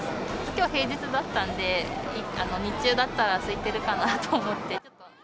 きょう平日だったんで、日中だったらすいてるかなと思って。